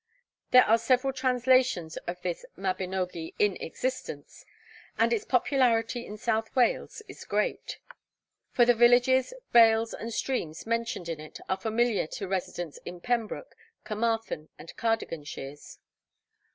There are several translations of this mabinogi in existence, and its popularity in South Wales is great, for the villages, vales, and streams mentioned in it are familiar to residents in Pembroke, Carmarthen, and Cardigan shires.